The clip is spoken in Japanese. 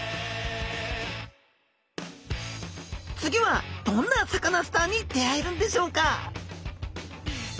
次はどんなサカナスターに出会えるんでしょうか？